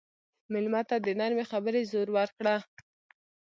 مېلمه ته د نرمې خبرې زور ورکړه.